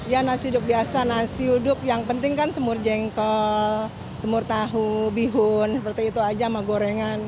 ya nasi uduk biasa nasi uduk yang penting kan semur jengkol semur tahu bihun seperti itu aja sama gorengan